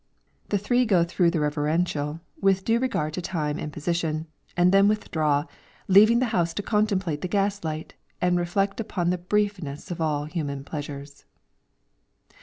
The three go through the reverential with due regard to time and position, and then withdraw, leaving the house to contemplate the gas light, and reflect upon the briefness of all human pleasures.